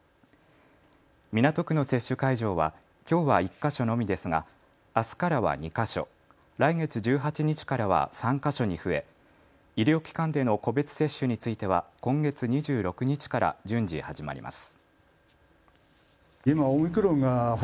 港区の接種会場はきょうは１カ所のみですが、あすからは２カ所、来月１８日からは３か所に増え医療機関での個別接種については今月２６日から順次、始まります。